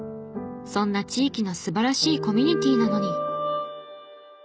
そんな地域の素晴らしいコミュニティーなのに。